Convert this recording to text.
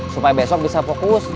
supaya besok bisa fokus